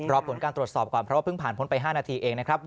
รอผลการตรวจสอบก่อนเพราะว่าเพิ่งผ่านพ้นไป๕นาทีเองนะครับ